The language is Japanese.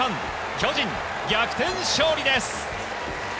巨人、逆転勝利です！